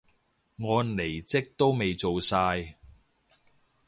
我離職都未做晒